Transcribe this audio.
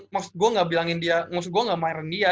maksud gue ga bilangin dia maksud gue ga marahin dia